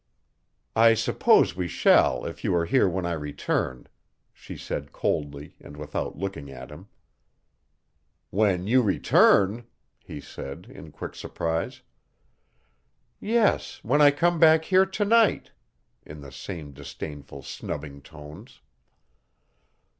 "I suppose we shall if you are here when I return," she said coldly and without looking at him. "When you return?" he said, in quick surprise. "Yes, when I come back here to night," in the same disdainful, snubbing tones.